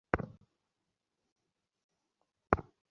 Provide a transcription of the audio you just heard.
এইভাবে তো ইহাও বলা যায় যে, প্রকৃত মানুষেরও কখনও উন্নতি হয় না।